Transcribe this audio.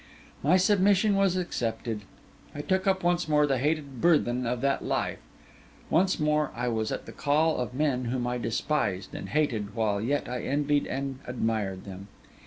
'My submission was accepted. I took up once more the hated burthen of that life; once more I was at the call of men whom I despised and hated, while yet I envied and admired them.